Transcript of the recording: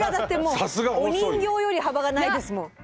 お人形より幅がないですもん。